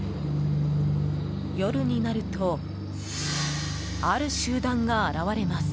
夜になると、ある集団が現れます。